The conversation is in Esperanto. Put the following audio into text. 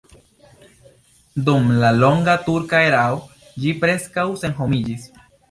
Dum la longa turka erao ĝi preskaŭ senhomiĝis.